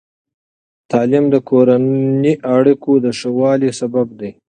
تعلیم د کورني اړیکو د ښه والي سبب دی.